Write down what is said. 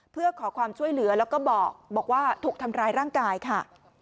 เพื่อขอความช่วยเหลือแล้วก็บอกว่าถูกทำร้ายร่างกายค่ะ